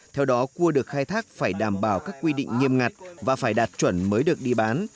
theo đó cua được khai thác phải đảm bảo các quy định nghiêm ngặt và phải đạt chuẩn mới được đi bán